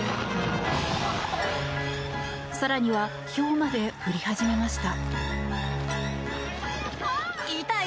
更にはひょうまで降り始めました。